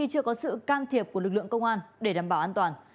chưa có sự can thiệp của lực lượng công an để đảm bảo an toàn